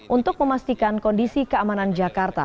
untuk memastikan kondisi keamanan jakarta